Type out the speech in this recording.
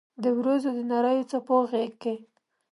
د اوریځو د نریو څپو غېږ کې